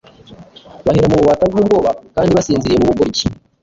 bahera mu bubata bw'ubwoba kandi basinziriye mu bugoryi,